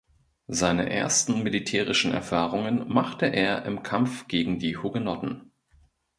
Seine ersten militärischen Erfahrungen machte er im Kampf gegen die Hugenotten.